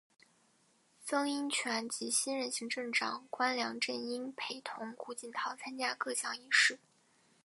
曾荫权及新任行政长官梁振英陪同胡锦涛参加各项仪式。